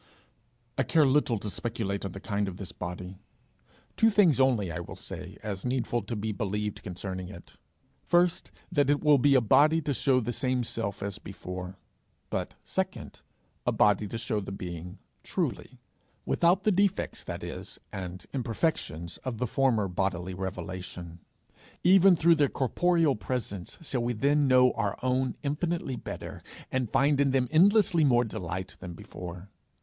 I care little to speculate on the kind of this body; two things only I will say, as needful to be believed, concerning it: first, that it will be a body to show the same self as before but, second, a body to show the being truly without the defects, that is, and imperfections of the former bodily revelation. Even through their corporeal presence shall we then know our own infinitely better, and find in them endlessly more delight, than before.